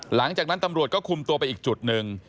หลังจากนั้นตำรวจก็คุมตัวไปอีกจุดหนึ่ง